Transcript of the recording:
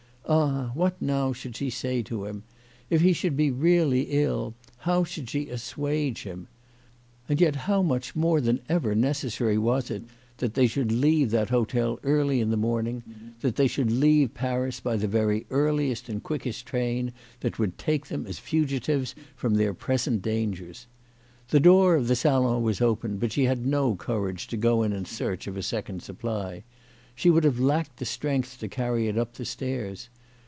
Ah, what now should she say to him ? If he should really be ill, how should she assuage him ? And yet how more than ever necessary was it that they should leave that hotel early in the morning, that they should leave Paris by the very earliest and quickest train that would take them as fugitives from their present dangers ! The door of the salon was open, but she had no courage to go in search of a second supply. She would have lacked strength to carry it up the stairs.